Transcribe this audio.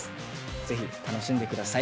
ぜひ楽しんで下さい。